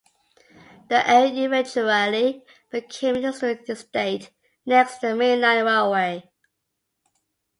The area eventually became an industrial estate next to the mainline railway.